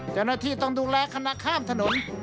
เจ้าหน้าที่ต้องดูแลคณะข้ามถนน